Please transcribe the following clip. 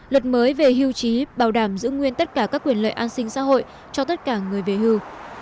luật mới về hưu trí bảo đảm giữ nguyên tất cả các quyền lợi an sinh xã hội cho tất cả người về hưu